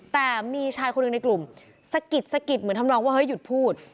แต่มีชายคนหนึ่งในกลุ่มสะกิดสะกิดเหมือนทำนองว่าเฮ้ยหยุดพูด